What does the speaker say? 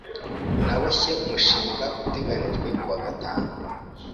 Naboshye umushinga uteganijwe kuwa gatanu.